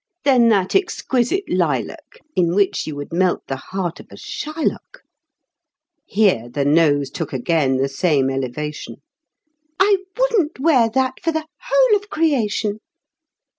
"Then that exquisite lilac, In which you would melt the heart of a Shylock;" (Here the nose took again the same elevation) "I wouldn't wear that for the whole of creation."